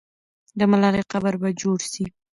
د ملالۍ قبر به جوړ سي.